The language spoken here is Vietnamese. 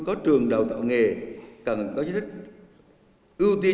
có trường đào tạo nghề cần có chức thức ưu tiên